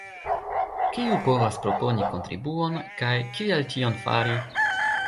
Kiu povas proponi kontribuon kaj kiel tion fari?